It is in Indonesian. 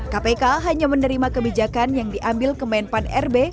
kpk hanya menerima kebijakan yang diambil kemenpan rb